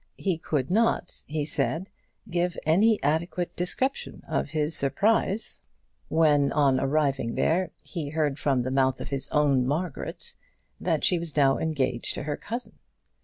He could not, he said, give any adequate description of his surprise, when, on arriving there, he heard from the mouth of his own Margaret that she was now engaged to her cousin.